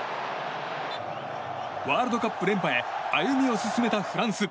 ワールドカップ連覇へ歩みを進めたフランス。